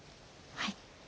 はい。